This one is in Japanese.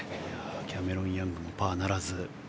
キャメロン・ヤングもパーならず。